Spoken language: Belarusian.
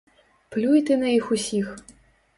Плюй ты на іх усіх.